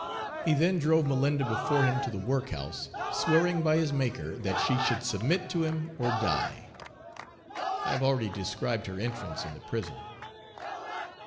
He then drove Malinda before him to the work house, swearing by his Maker that she should submit to him or die. I have already described her entrance in the prison.